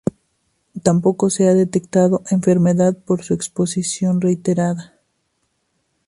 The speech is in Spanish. Tampoco se ha detectado enfermedad por su exposición reiterada.